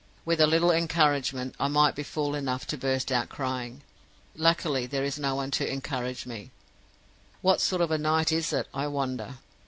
With a little encouragement, I might be fool enough to burst out crying. Luckily, there is no one to encourage me. What sort of a night is it, I wonder?